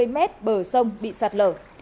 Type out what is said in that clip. một năm trăm năm mươi mét bờ sông bị sạt lở